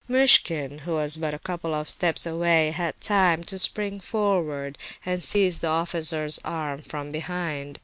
Muishkin, who was but a couple of steps away, had time to spring forward and seize the officer's arms from behind.